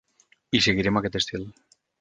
I seguirem aquest estil.